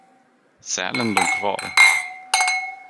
Sälen låg kvar.